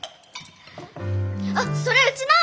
あっそれうちの！